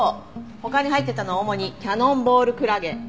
他に入ってたのは主にキャノンボールクラゲ。